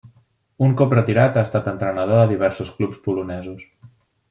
Un cop retirat ha estat entrenador a diversos clubs polonesos.